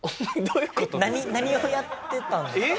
何をやってたんですか？